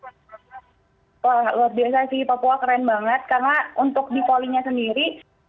papua keren banget karena untuk di pollingnya sendiri